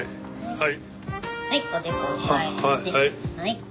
はい。